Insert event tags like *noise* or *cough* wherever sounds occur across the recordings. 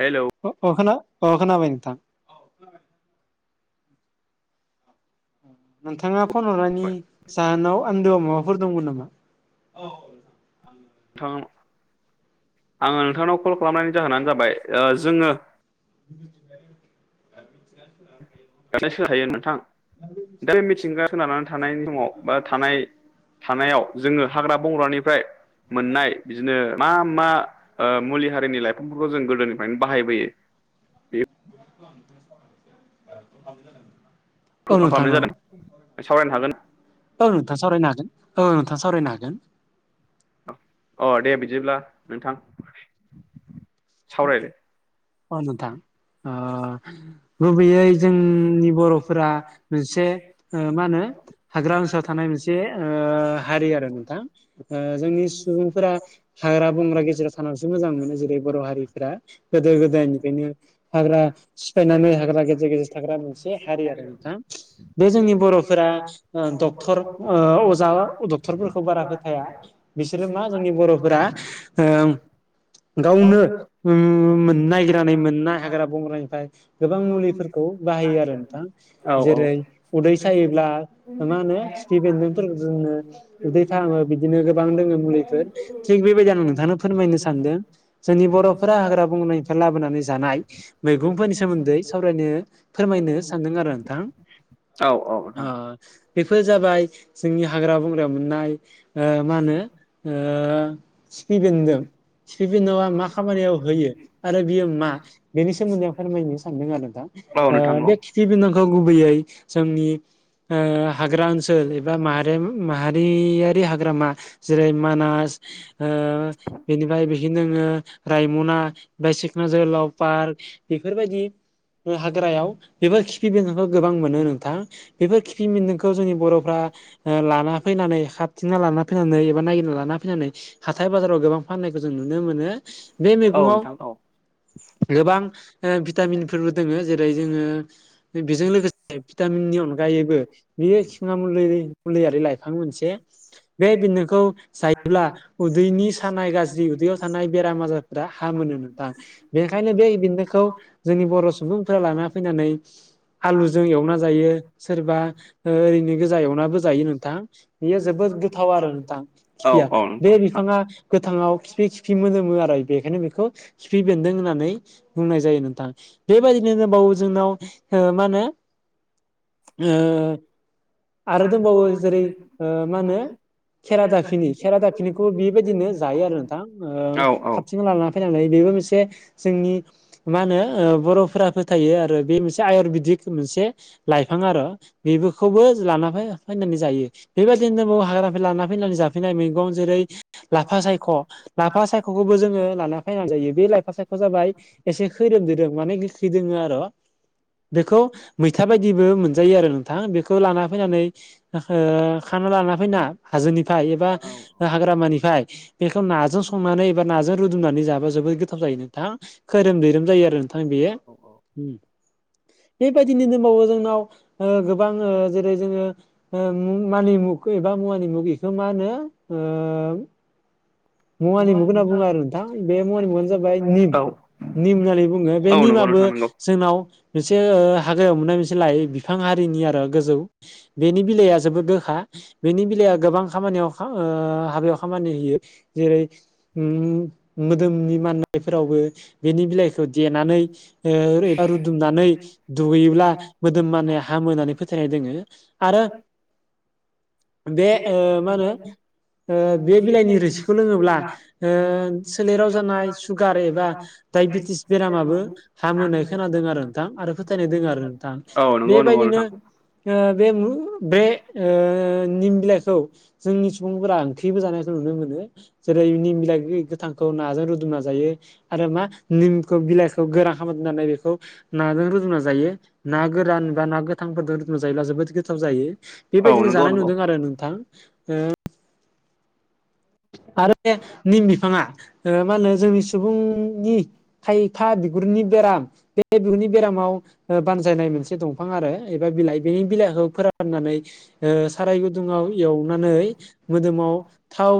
हेल' अ खोनाबाय नोंथां। नोंथाङा फन हरनायनि जाहोनाव आन्दोआव माबाफोर दं मोन नामा औ। नोंथां आङो नोंथांनाव कल खालामनायनि जाहोनानो जाबाय जोङो *unintelligible* गाननायसोन हायो नोंथां। दा बे मिथिंगा खोनानानै थानायनि समाव बा थानाय थानायाव जोङो हाग्रा बंग्रानिफ्राय मोननाय बिदिनो मा मा मुलि हारिनि लाइफांफोरखौ जों गोदोनिफ्रायनो बाहायबोयो बेखौ *inaudible* औ ख नोंथां खालामनाय औ जादों सावरायनो हागोन औ नोंथाङा सावरायनो हागोन औ नोंथाङा सावरायनो हागोन। अ दे बिदिब्ला नोंथां। सावरायदो अ नोंथां। गुबैयै जोंनि बर'फोरा मोनसे मा होनो हाग्रा ओनसोलाव थानाय मोनसे हारि आरो नोंथां जोंनि सुबुंफोरा हाग्रा बंग्रा गेजेराव थानसो मोजां मोनो जेरै बर' हारि गोदो गोदायनिफ्रायनो हाग्रा सिफायनानै हाग्रा गेजेर गेजेर थाग्रा मोनसे हारि आरो नोंथाङ बे जोंनि बर'फोरा डक्टर अजा डक्टरफोरखौ बारा फोथाया बिसोरो मा जोंनि बर'फोरा ओ गावनो मोन नागिरनानै मोनाय हाग्रा बंग्रानिफ्राय गोबां मुलिफोरखौ बाहायो आरो नोंथां औ जेरै उदै सायोब्ला मा होनो सिफि बेन्दोंनफोरखौ जोंनो उदै फाहामो बिदिनो गोबां दोङो मुलिफोर थिग बेबायदि आं नोंथांनो फोरमायनो सानदों जोंनि बर'फोरा हाग्रा बंग्रा निफ्राय लाबोनानै जानाय मैफोरनि सोमोन्दै सावरायनो फोरमायनो सानदों आरो नोंथां। औ औ नोंथां बेफोर जाबाय जोंनि हाग्रा बंग्रायाव मोननाय मा होनो ओ सिफि बेनदों सिफि बेनावा माख खामानियाव होयो आरो बियो मा बेनि सोमोन्दैं फोरमायनो सानदों आरो दा औ नोंथां औ बे खिफि बेनदेंखौ गुबैयै जोंनि हाग्रा ओनसोल ओनसोल एबा माहारियारि हाग्रामा जेरै मानास बेनिफ्राय बेखनोङो रायमना बाय सिखना जोहोलाव पार्क बेफोरबायदि हाग्रायाव बेफोर खिफि बेन्जनखौ गोबां मोनो नोंथां। बेफोर खिथिबिदोंखौ जोंनि बर'फ्रा लाना फैनानै ह खथिंना लाना फैनानै एबा नायागिरना लाना फैनानै हाथाय बाजाराव गोबां फाननायखौ जों नुनो मोनो औ मैगं आव नोंथां औ गोबां भिटामिनफोरबो दोङो जेरै जोङो बेजों लोगोसे भिटामिननि अनगायैबो बियो खिङा म मुलियारि लाइफां मोनसे बे बिनोखौ जायोब्ला उदैनि सानाय गाज्रि उदैयाव थानाय बेराम आजारफोरा हा मोनो नोंथां बेनिखायनो बे बिनोखौ जोंनि बर' सुबुंफोरा लाना फैनानै आलुजों एवना जायो सोरबा ओरैनो गोजा एवनाबो जायो नोंथां बेयो जोबोद गोथाव आरो नोंथां औ खिफिया औ बे नोंथां बिफाङा गोथाङाव खिफि खिफि मोनोदोमो आरो बेखायनो बेखौ सिफि बेन्दों होननानै बुंनाय जायो नोंथाङा बेबायाददिनो दबावो जोंनाव हो मा होनो आरो दंबावो जेरै मा होनो खेरा दाफिनि खेरा दाफिनिखौ बेबायदिनो जायो आरो नोंथां औ साबसिनो लानानै फैनानै बेबो मोनसे जोंनि मा होनो बर'फोरा फोथायो आरो बे मोनसे आयुरवेदिक मोनसे लाइफां आरो' बेफोरखौबो लाना फैनानै जायो बेबायदिनो हाग्रा लाना फैनानै ज फैनाय मैगं जेरै लाफा सायख' लाफा सायख'खौबो जोङो लाना फैनानै जायो बे लाफा सायख' बे जाबाय एसे खैरोम दैरोम माने गोखै दोङो आरो बेखौ मैथा बायदिबो मोनजायो आरो नोंथां बेखौ लाना फैनानै खाना लाना फैना हाजोनिफ्राय एबा हाग्रामानिफ्राय बेखौ नाजों संनानै एबा नाजों रुदुमनानै जाबा जोबोद गोथाव जायो नोंथां खोरोम दैैरोम जायो आरो नोंथां बेयो *inaudible* बेबायदिनो दंबावो जोंनाव ओ गोबां ओ जेरै- जोङो ओ मानिमुग एबा मुवानि मुग बेखौ मा होनो ओ मुवानि मुखौ होनना बुङो आरो नोंथां बे मुवानि मुङानो जाबाय निम औ निम होननानै बुङो बे औ नंगौ निमाबो नोंथां नंगौ जोंनाव मोनसे हाग्रायाव मोननाय मोनसे लइ बिफां हारिनि आरो गोजौ बेनि बिलाइआ जोबोद गोखा बेनि बेलाया गोबां खामानियाव हाबायाव खामानि होयो जेरै- उम मोदोमनि माननायफोरावबो बेनि बिलाइखौ देनानै ओ एबा रुदुमनानै दुगैयोब्ला मोदोम मानाया हामोानै फोथायनाय दोङो आरो बे ओ मा होनो ओ बे बिलाइनि रोसि लोङोब्ला ओ सोलेराव जानाय सुगार एबा डाइबेटिस बेरामाबो हामो होनाय खोनादों आरो नोंथां आरो फोथायनाय दङ आरो नोंथां औ नंगौ नंगौ बेबायदिनो नोंथां ओ बे बे ओ निम बिलायखौ जोंनि सुबुंफोरा ओंख्रिबो जानायखौ नुनो मोनो जेरै निमलाइ गोथांखौ नाजों रुदुमना जायो आरो मा निमखौ बिलाइखौ गोरान खालाम दोननानै बेखौ नाजों रुदुना जायो ना गोरान बा ना गोथांफोरजों रुदुना जायोब्ला जोबोद गोथाव जायो औ बेबायदिनो नंगौ जानाय नंगौ नुदों आरो नोंथां आरो निम बिफाङा मा ओ होनो जोंनि सुबुंनि थायथा बिगुरनि बेराम बे बिगुरनि बेरामाव ओ बानजायनाय मोनसे दंफां आरो एबा बिलाइ बेनि बिलाइखौ फोराननानै ओ साराय गुदुुंआव एवनानै मोदोमाव थाव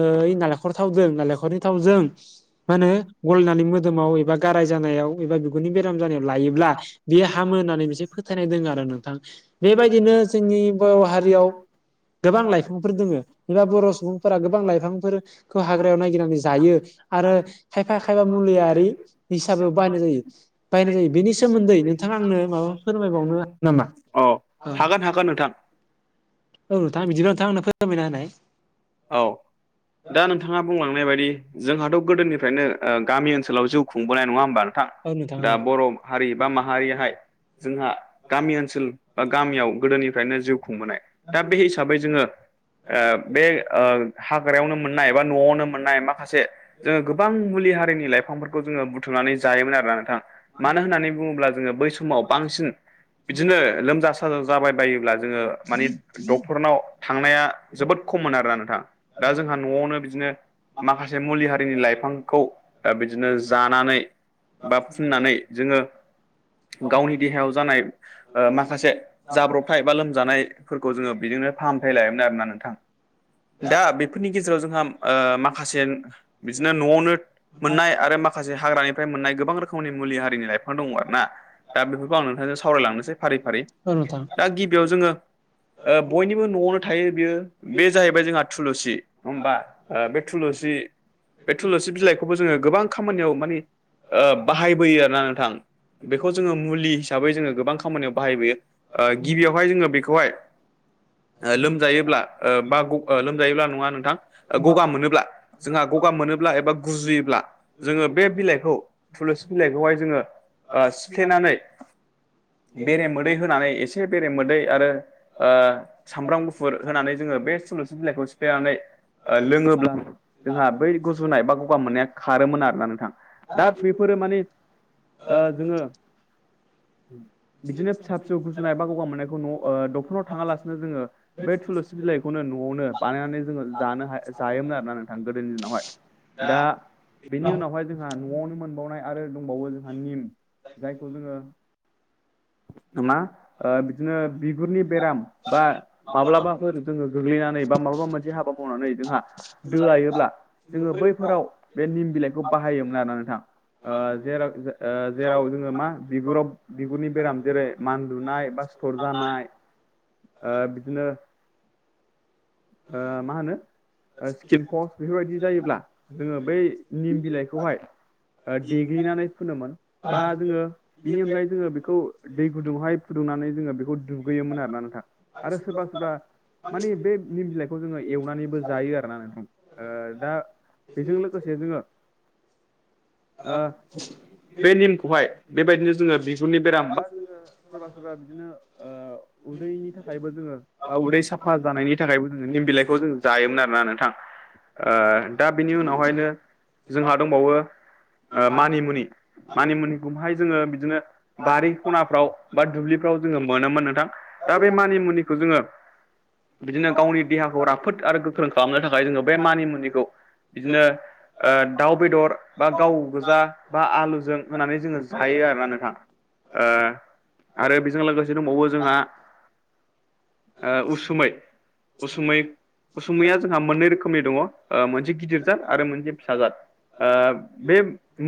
ओ इ नालेंखर थावजों नालेंखरनि थावजों मा होनो गलनानै मोदोमाव एबा गाराय जानायाव एबा बिगुरनि बेराम जानायाव लायोब्ला बियो हामो होननानै मोनसे फोथायनाय दङ आरो नोंथां। बेबायदिनो जोंनि बर' हारियाव गोबां लाइफांफोर दङ एबा बर' सुबुंफोरा गोबां लाइफां फोरखौ हाग्रायाव नायागिरनानै जायो आरो खायफा खायफा मुलियारि हिसाबै बायनाय जायो बायनाय जायो बेनि सोमोन्दै नोंथाङा आंनो माबा फोरमायबावनो नामा? औ हागोन हागोन नोंथां औ नोंथां बिदिनो नोंथां आंनो फोरामायना होनाय औ दा नोंथाङा बुंलांनाय बायदि जोंहाथ' गोदोनिफ्रायनो गामि ओनसोलाव जिउ खुंबोनाय नङा होमबा औ नोंथां औ दा बर' हारि बा माहारियाहाय जोंहा गामि ओनसोल बा गामियाव गोदोनिफ्रायनो जिउ खुंबोनाय दा बे हिसाबै जोङो ओ बे ओ हाग्रायावनो मोननाय बा न'आवनो मोननाय माखासे जोङो गोबां मुलि हारिनि लाइफांफोरखौ जोङो बुथुमनानै जायोमोन आरो ना नोंथां मानो होननानै बुङोब्ला जोङो बै समाव बांसिन बिदिनो लोमजा साजा जाबाय बायोब्ला जोङो माने डक्टरनाव थांनाया जोबोद खममोन आरोना नोंथां दा जोंहा न'आवनो बिदिनो माखासे मुलि हारिनि लाइफांखौ बिदिनो जानानै बा फुननानै जोङो गावनि देहायाव जानाय माखासे जाब्रबथाय बा लोमजानायफोरखौ जोङो बिजोंनो फाहामथाय लायोमोन आरोोना नोंथां दा बेफोरनि गेजेराव जोंहा माखासे बिदिनो न'आवनो मोननाय आरो माखासे हाग्रानि मफ्राय मोननाय गोबां रोखोमनि मुलि हारिनि लाइफां दङ' आरो ना दा बेफोरखौ आं नोंथांजों सावरायलांनोसै फारि फारि औ नोंथां दा गिबियाव जोङो बयनिबो न'आवनो थायो बेयो बे जाहैबाय जोंहा थुलुसि नङा ओमबा ओ बे थुलुसि बे थुलुसि बिलाय खौबो जोङो गोबां खामानियाव मानि ओ बाहायबोयो आरोना नोंथां बेखौ जोङो मुलि हिसाबै जोङो गोबां खामानियाव बाहायबोयो गिबियावहाय जोङो बेखौहाय लोमजायोब्ला बा लोमजायोब्ला नङा नोंथां गगा मोनोब्ला जोंहा गगा मोनोब्ला एबा गुजुयोब्ला जोङो बे बिलाइखौ थुलुंसि बिलाइखौहाय जोङो ओ सिफ्लेनानै बेरे मोदै होनानै एसे बेरे मोदै आरो सामब्राम गुफुर होनानै जङो बे सि बिललाखौ सिफ आांलाय ओ लोङोब्ला जोंहा बै गुजुनाय बा गगा मोननाया खारोमोन आरोना नोंथां दा बेफोरो माने ओ जोङो बिदिनो फिसा फिसौ गुसुनाय एबा गगा मोननायखौ न'आव डक्टरनाव थाङालासिनो जोङो बे थुलुंसि बिलाइखौनो न'आवनो बानायनानै जोङो जानो जायोमोन आरोना नोंथां गोदोनि दिनावहाय दा बेनि उनावहाय जोंहा न'आवनो मोनबावनाय आरो दंबावो जोंहा निम जायखौ जोङो ना ओ बिदिनो बिगुरनि बेराम बा माब्लाबाफोर जोङो गोग्लैनानै बा माबा मोनसे हाबा मावनानै जोंहा दो लायोब्ला जोङो बैफोराव बे निम बिलाइखौ बाहायोमोन आरोा नोंथां ओ जेराव जोङो मा बिगुराव बिगुरनि बेराम जेरै मान लुनाय बा सिथर जानाय बिदिनो मा होनो स्किन पस्ट बेफोरबायदि जायोब्ला जोङो बै निम बिलाइखौहाय ओ देगलिनानै फुनोमोन बा जोङो बिनि अनगायै जोङो बेखौ दै गुदुंहाय फुदुंनानै जोङो बेखौ दुगैयोमोन आर ना नोंथा आरो सोरबा सोरबा मानिे बे निम बिलाइखौ जोङो एवनानैबो जायो आरो ना नोंथां दा बेजों लोगोसे जोङो बे निमखौहाय बेबायदिनो जोङो बिहुरनि बेराम बा सोरबा सोरबा बिदिनो उदैनि थाखायबो जोङो उदै साफा सफा जानायनि थाखायबो जों निम बिलाइखौ जों जायोमोन आरोना नोंथां दा बिनि उनावहायनो जोंहा दंबावो मानिमुनि मानिमुनिखौहाय जोङो बिदिनो बारि खनाफ्राव बा दुब्लिफ्राव जोङो मोनोमोन नोंथां दा बे मानिमुनिखौ जोङो बिदिनो गावनि देहाखौ राफोद आरो गोख्रों खालामनो थाखाय जोङो बे मानि मुनिखौ बिदिनो ओ-दाउ बेदर बा गाव गोजा। बा आलुजों होनानै जोङो जायो आरो ना नोंथां। ओ-आरो बेजों लोगोसे दंबावो जोंहा ओ-उसु उसुमै उसुमै उसुमैया जोंहा मोननै रोखोमनि दङ' मोनसे गिदिर जाद आरो मोनसे फिसा जाद ओ बे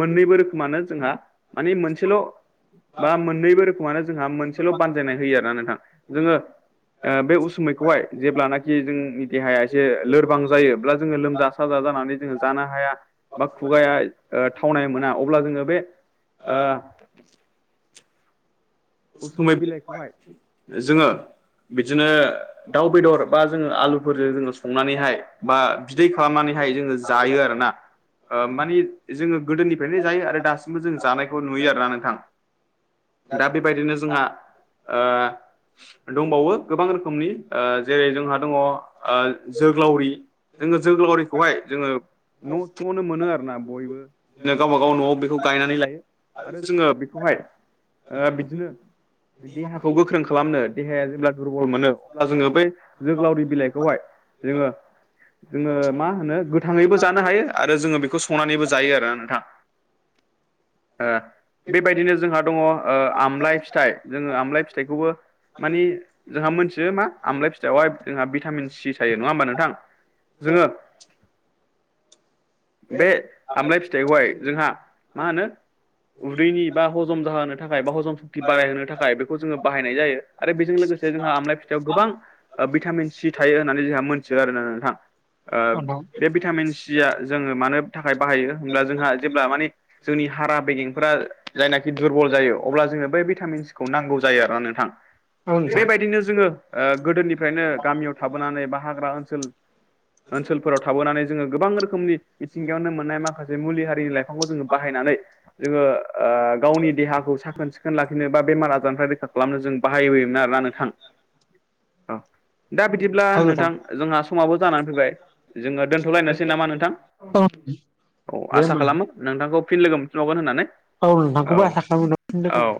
मोननैबो रोखोमानो जोंहा माने मोनसेल' बा मोननैबो रोखोमानो जोंहा मोनसेल' बा होयो आरोना नोंथां जोङो ओ बे उसुमै जेब्लानाखि जोंनि देहाया एसे लोरबां जायो ब्ला जोङो लोमजा साजा जानानै जोङो जानो हाया। बा खुगाया ओ-थावनाय मोना अब्ला जोङो बे ओ- उसुमै बिलाइखौहाय जोङो बिदिनो दाउ बेदर बा जोङो आलुफोरजों जोङो संनानैहाय बा बिदै खालामनानैहाय जोङो जायो आरोना। ओ-मानि जोङो गोदोनिफ्रायनो जायो आरो दासिमबो जों जानायखौ नुयो आरोना नोंथां दा बेबायदिनो जोंहा ओ- दंबावो गोबां रोखोमनि जेरै जोंहा दङ ओ-जोग्लावरि। जोङो जोग्लावरिखौहाय जोङो न' थ'नो मोनो आरो ना बयबो। बिदिनो गावबा गाव न'आव बेखौ गायनानै लायो आरो जोङो बेखौहाय ओ-बिदिनो देहाखौ गोख्रों खालामनो देहाया जेब्ला दुरबल मोनो अब्ला जोङो बै जोगोलावरि बिलाइखौहाय जोङो जोङो मा होनो गोथाङैबो जानो हायो आरो जोङो बेखौ संनानैबो जायो आरोना नोंथां। *inaudible* ओ-बेबायदिनो जोंहा दङ ओ-आमलाय फिथाइ जोङो आमलााय फिथाइखौबो मानि जोंहा मोनथियो मा आमलाय फि थायावहाय जोंहा भिटामिन सि थायो नङा होमबा नोंथां? जोङो *unintelligible* बे आमलाय फिथाइखौहाय जोंहा मा होनो उदैनि बा हजम जाहोनो नि थाखाय बाहजन सक्ति बारायहोनो थाखाय बेखौ जोङो बाहायनाय जायो आरो बेजों लोगोसे जोंहा आमलाइ फिथाइयाव गोबां ओ-भिटामिन सि थायो होननानै जोंहा मोनथियो आरोना नोंथां औ नोंथां ओ-बे भिटामिन सिया जोङो मानो थाखाय बाहायो होमब्ला जोंहा जेब्ला माने जोंनि हारा बेगें फोर जायनाखि दुरबल जायो अब्ला जोङो बेै भिटामिनखौ नांगौ जायो आरोना नोंथां। औ नोंथां बेबायदिनो जोङो ओ-गोदोनिफ्रायनो गामियाव थाबोनानै बा हाग्रा ओनसोल। *unintelligible* ओनसोलफोराव थाबोनानै जोङो गोबां रोखोमनि मिथिंगायावनो मोननाय माखासे मुलि हारिनि लाइफांखौ जोङो बाहायनानै जोङो ओ-गावनि देहा खौ साखोन सिखोन लाखिनो बा बेमार आजारनिफ्राय रैखा खालामनो जों बाहाय होयोमोन आरोना नोंथां। औ दा बिदिब्ला नोंथां जोंहा समावबो जानानै फैबाय। जोङो दोनथ'लायनोसै नामा नोंथां औ औ दे आसा होमबा खालामो। नोंथांखौ फिन लोगो मोनफिनबावगोन होननानै। औ नोंथांखौबो औ आसा खालामो। औ